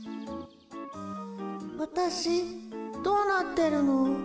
わたしどうなってるの？